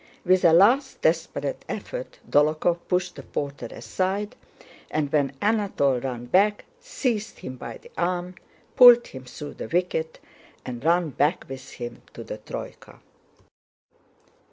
With a last desperate effort Dólokhov pushed the porter aside, and when Anatole ran back seized him by the arm, pulled him through the wicket, and ran back with him to the troyka.